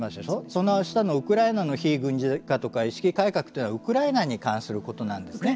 その下のウクライナの非軍事化とか意識改革というのはウクライナに関することなんですね。